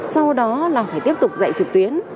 sau đó là phải tiếp tục dạy trực tuyến